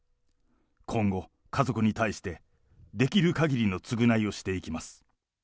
今後、家族に対してできるかぎりの償いをしていきます。